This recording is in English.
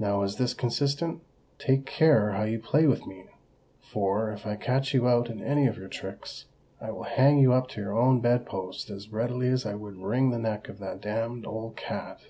Now is this consistent? Take care how you play with me; for—if I catch you out in any of your tricks—I will hang you up to your own bedpost as readily as I would wring the neck of that damned old cat."